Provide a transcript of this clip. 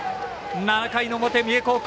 ７回の表、三重高校。